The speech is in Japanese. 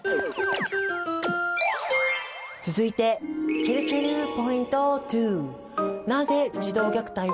続いてちぇるちぇるポイント２。